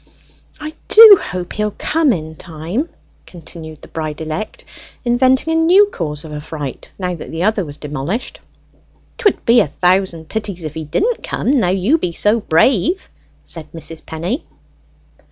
"I do hope he'll come in time!" continued the bride elect, inventing a new cause of affright, now that the other was demolished. "'Twould be a thousand pities if he didn't come, now you be so brave," said Mrs. Penny.